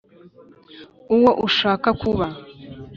uwo ushaka kuba.